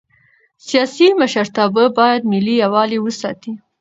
سیاسي مشرتابه باید ملي یووالی وساتي